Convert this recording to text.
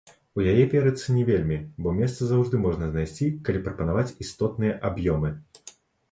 У яе верыцца не вельмі, бо месца заўжды можна знайсці, калі прапанаваць істотныя аб'ёмы.